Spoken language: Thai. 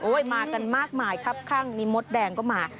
มากันมากมายครับข้างมีมดแดงก็มา